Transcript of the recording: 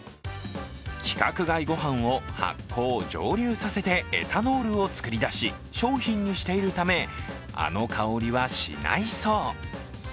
規格外ご飯を発酵・蒸留させてエタノールを作り出し商品にしているため、あの香りはしないそう。